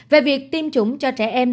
về việc tiêm chủng cho trẻ em